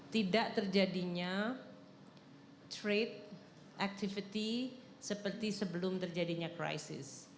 tidak terjadinya trade activity seperti sebelum terjadinya krisis